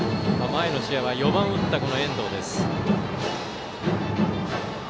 前の試合は４番を打った遠藤です。